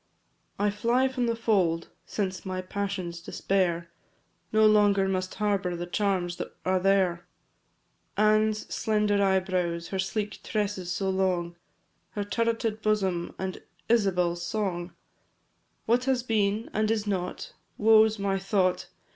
I. I fly from the fold, since my passion's despair No longer must harbour the charms that are there; Anne's slender eyebrows, her sleek tresses so long, Her turreted bosom and Isabel's song; What has been, and is not woe 's my thought!